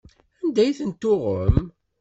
Anda ay tent-tuɣem?